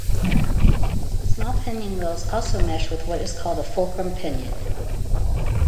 Small pinion wheels also mesh with what is called a fulcrum pinion.